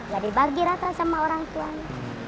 jadi bagi rata sama orang tuanya